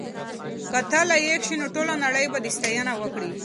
که ته لایق شې نو ټوله نړۍ به دې ستاینه وکړي.